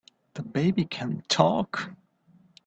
The baby can TALK!